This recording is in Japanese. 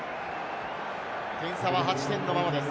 点差は８点のままです。